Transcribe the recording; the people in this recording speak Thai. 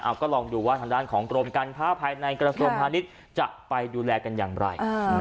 เอาก็ลองดูว่าทางด้านของกรมการค้าภายในกระทรวงพาณิชย์จะไปดูแลกันอย่างไร